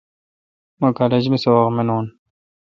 مہ کالج می سبق مینون۔